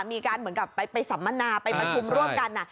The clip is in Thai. เหมือนกับไปสัมมนาไปประชุมร่วมกัน